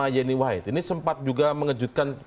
yeni wahid ini sempat juga mengejutkan